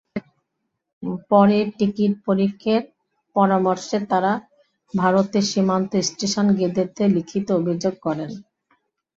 পরে টিকিট পরীক্ষকের পরামর্শে তাঁরা ভারতের সীমান্ত স্টেশন গেদেতে লিখিত অভিযোগ করেন।